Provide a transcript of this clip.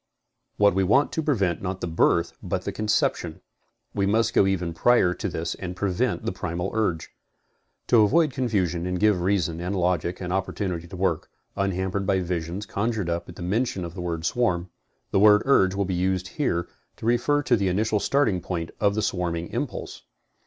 What we want to prevent not the birth but the conception. We must go even prior to this and prevent the primal urge. To avoid confusion and give reason and logic an opportunity to work, unhampered by visions conjured up at mention of the word swarm, the word urge will be used here to refer to the initial starting point of the swarming impulse.